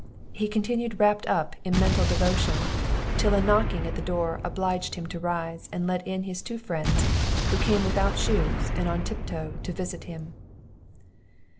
He continued wrapt up in mental devotion, till a knocking at the door obliged him to rise, and let in his two friends, who came without shoes, and on tiptoe, to visit him.